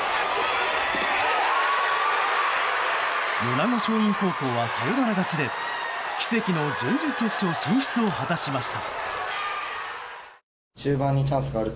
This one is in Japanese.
米子松蔭高校はサヨナラ勝ちで奇跡の準々決勝進出を果たしました。